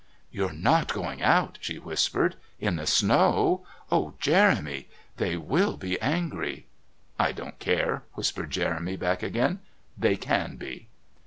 "You're not going out," she whispered. "In the snow. Oh, Jeremy. They WILL be angry." "I don't care," whispered Jeremy back again. "They can be."